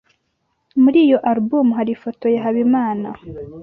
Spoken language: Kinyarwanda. Muri iyo alubumu hari ifoto ya Habimana?